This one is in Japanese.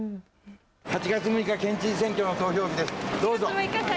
８月６日県知事選挙の投票日です。